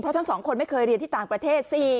ทั้งสองคนไม่เคยเรียนที่ต่างประเทศ